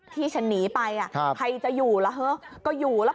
ที่ฉันหนีไปใครจะอยู่ล่ะเถอะก็อยู่แล้ว